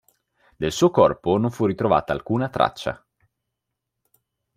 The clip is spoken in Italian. Del suo corpo non fu ritrovata alcuna traccia.